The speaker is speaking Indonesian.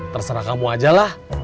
terserah kamu ajalah